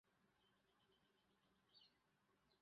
"Kranti" was the last notable successful film in his career.